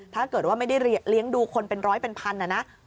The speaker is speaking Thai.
ถ้าเกิดว่าไม่ได้เลี้ยงดูคนเป็นร้อยเป็นพันนะนะ